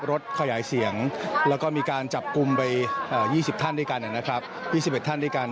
รถขยายเสียงแล้วก็มีการจับกลุ่มไป๒๐ท่านด้วยกันนะครับ๒๑ท่านด้วยกัน